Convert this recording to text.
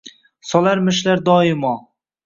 Solarmishlar doimo.